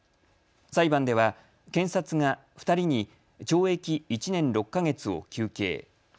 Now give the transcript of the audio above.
裁判では検察が２人に懲役１年６か月を求刑。